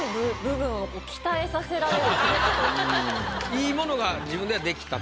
いいものが自分ではできたと？